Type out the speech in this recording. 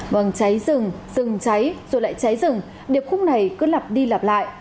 bằng cháy rừng rừng cháy rồi lại cháy rừng điệp khúc này cứ lặp đi lặp lại